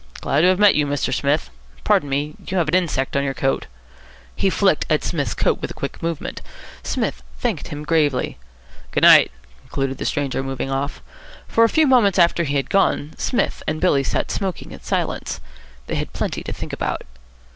Glad to have met you, Mr. Smith. Pardon me, you have an insect on your coat." He flicked at Psmith's coat with a quick movement. Psmith thanked him gravely. "Good night," concluded the stranger, moving off. For a few moments after he had gone, Psmith and Billy sat smoking in silence. They had plenty to think about.